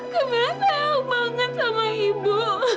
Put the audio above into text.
kamilah sayang banget sama ibu